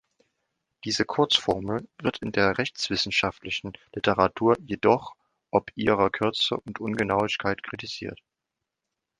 Diese Kurzformel wird in der rechtswissenschaftlichen Literatur jedoch ob ihrer Kürze und Ungenauigkeit kritisiert.